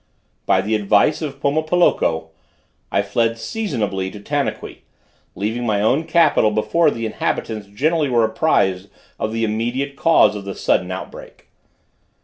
By the advice of Pomopoloko, I fled seasonably to Tanaqui, leaving my own capital before the inhabitants generally were apprised of the immediate cause of the sudden out break.